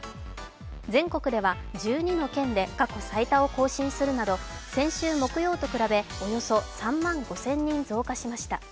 全国では１２の県で過去最多を更新するなど先週木曜と比べおよそ３万５０００人増加しました。